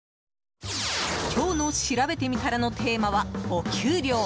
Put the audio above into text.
今日のしらべてみたらのテーマは、お給料。